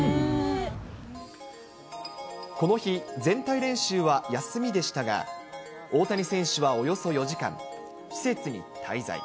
この日、全体練習は休みでしたが、大谷選手はおよそ４時間、施設に滞在。